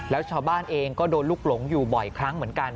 แล้วชาวบ้านเองก็โดนลูกหลงอยู่บ่อยครั้งเหมือนกัน